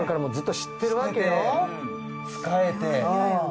仕えて。